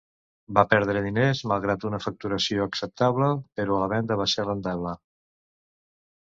Va perdre diners malgrat una facturació acceptable, però la venda va ser rentable.